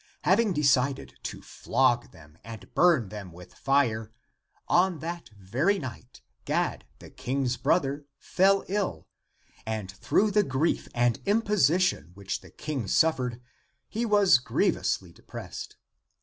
Having decided to flog them and burn them with fire, on that very night Gad, the King's brother fell ill; and through the grief and imposi tion which the King suffered he was grievously depressed.